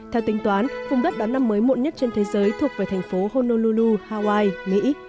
theo tính toán vùng đất đón năm mới muộn nhất trên thế giới thuộc về thành phố honu hawaii mỹ